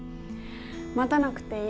待たなくていい。